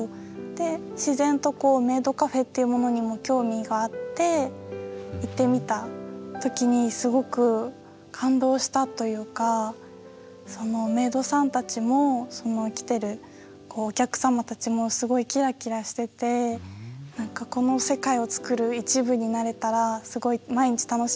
で自然とメイドカフェっていうものにも興味があって行ってみた時にすごく感動したというかメイドさんたちも来てるお客さまたちもすごいキラキラしててっていうふうに思いました。